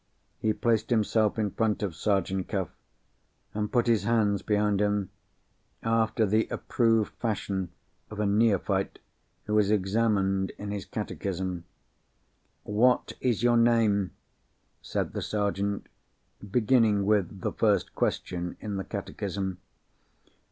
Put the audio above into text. He placed himself in front of Sergeant Cuff, and put his hands behind him, after the approved fashion of a neophyte who is examined in his catechism. "What is your name?" said the Sergeant, beginning with the first question in the catechism.